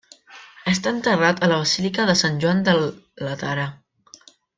Està enterrat a la basílica de Sant Joan del Laterà.